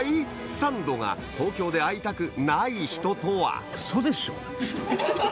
サンドが東京で会いたくない人とはウソでしょ？